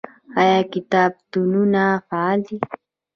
آیا کتابتونونه فعال دي؟